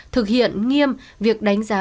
thực hiện nghiêm việc đánh giá